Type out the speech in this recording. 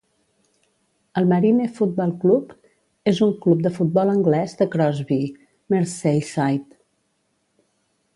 El Marine Football Club és un club de futbol anglès de Crosby, Merseyside.